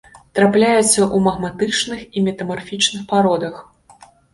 Трапляецца ў магматычных і метамарфічных пародах.